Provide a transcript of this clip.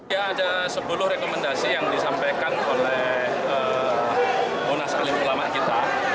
ya ada sepuluh rekomendasi yang disampaikan oleh munas alim ulama kita